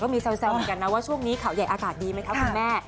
คุณสาวแซวเหมือนกันว่าช่วงนี้ขาวยัยอากาศดีไหมคะคุณแม่